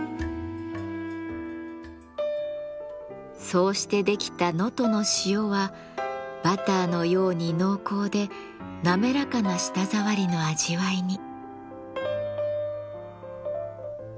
そうして出来た能登の塩はバターのように濃厚でなめらかな舌触りの味わいに。